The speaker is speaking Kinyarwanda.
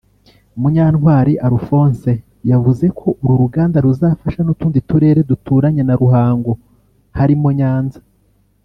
Munyantwali Alphonse yavuze ko uru ruganda ruzafasha n’utundi turere duturanye na Ruhango harimo Nyanza